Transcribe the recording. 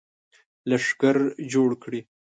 لښکر جوړ کړي.